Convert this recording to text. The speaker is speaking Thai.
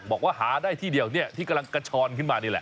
บอกว่าหาได้ที่เดียวเนี่ยที่กำลังกระชอนขึ้นมานี่แหละ